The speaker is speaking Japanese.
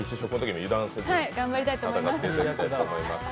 はい、頑張りたいと思います。